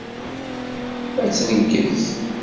Ad tneggez.